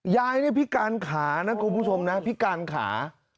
ยายนี่พิการขานะคุณผู้ชมนะพิการขา